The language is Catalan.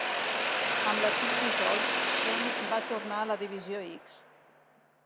Amb l'equip dissolt, Shane va tornar a la Divisió X.